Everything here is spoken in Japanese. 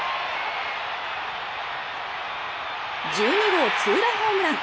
１２号ツーランホームラン。